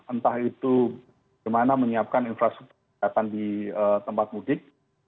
entah itu bagaimana menyiapkan infrastruktur kesehatan di tempat mudik